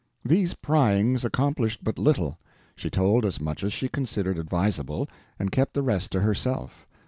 These pryings accomplished but little. She told as much as she considered advisable, and kept the rest to herself.